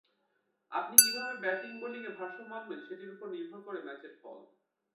আপনি কীভাবে ব্যাটিং-বোলিংয়ে ভারসাম্য আনবেন সেটির ওপর নির্ভর করে ম্যাচের ফল।